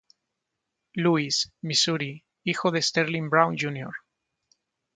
Louis, Missouri, hijo de Sterling Brown Jr.